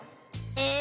え！